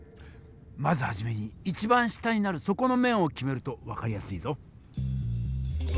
まずはじめに一番下になる底の面を決めると分かりやすいぞ。